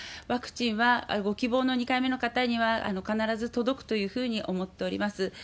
ワクチンは、ご希望の２回目の方には必ず届くというふうに思っております。